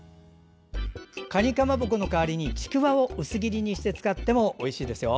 かにかまぼこの代わりにちくわを薄切りにして使ってもおいしいですよ。